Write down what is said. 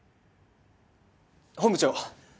本部長！